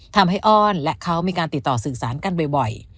อ้อนและเขามีการติดต่อสื่อสารกันบ่อย